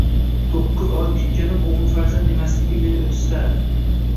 To`qqiz oy kutganim o`g`il farzand emasligi meni o`ksitardi